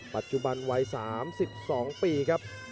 ปัจจุบันวัย๓๒ปีครับ